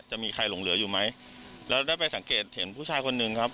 จะมีใครหลงเหลืออยู่ไหมแล้วได้ไปสังเกตเห็นผู้ชายคนหนึ่งครับ